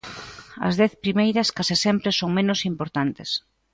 As dez primeiras case sempre son menos importantes.